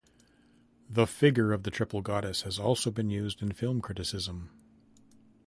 The figure of the Triple Goddess has also been used in film criticism.